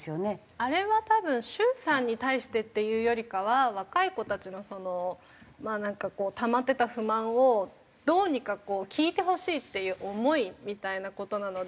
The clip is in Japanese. あれは多分習さんに対してっていうよりかは若い子たちのそのなんかたまってた不満をどうにか聞いてほしいっていう思いみたいな事なので。